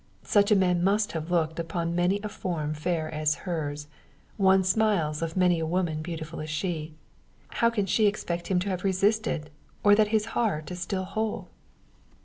Such a man must have looked on many a form fair as hers, won smiles of many a woman beautiful as she. How can she expect him to have resisted, or that his heart is still whole?